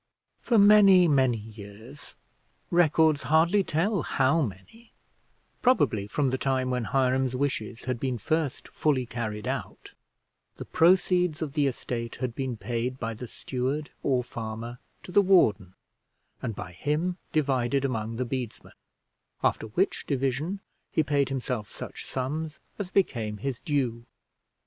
For many, many years, records hardly tell how many, probably from the time when Hiram's wishes had been first fully carried out, the proceeds of the estate had been paid by the steward or farmer to the warden, and by him divided among the bedesmen; after which division he paid himself such sums as became his due.